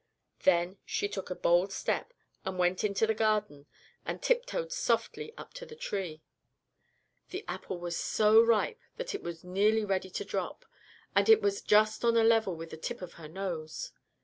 "Then she took a bold step and went into the Garden and tiptoed softly up to the tree. The apple was so ripe that it was nearly ready to drop, and it was just on a level with the tip of her nose.